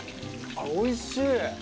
「おいしい！」